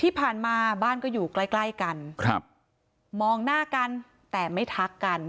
ที่ผ่านมาบ้านก็อยู่ใกล้ใกล้กันครับมองหน้ากันแต่ไม่ทักกัน